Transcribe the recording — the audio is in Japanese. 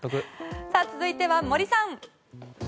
続いては森さん。